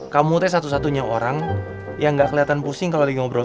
kamu adalah satu satunya orang yang tidak kelihatan pusing ketika berbicara dengan idoi